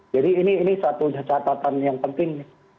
jadi ini satu catatan yang penting